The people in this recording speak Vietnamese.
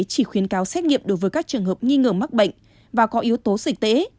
chỉ khuyến cáo xét nghiệm đối với các trường hợp nghi ngờ mắc bệnh và có yếu tố dịch tễ